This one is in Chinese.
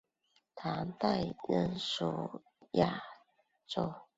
宋代仍属雅州。